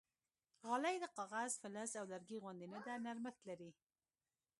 غالۍ د کاغذ، فلز او لرګي غوندې نه ده، نرمښت لري.